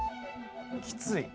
きつい。